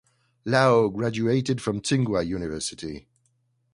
Lao graduated from Tsinghua University.